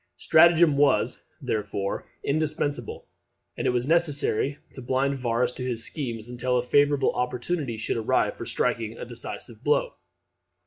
Stratagem was, therefore, indispensable; and it was necessary to blind Varus to his schemes until a favourable opportunity should arrive for striking a decisive blow.